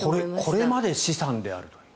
これまで資産であるという。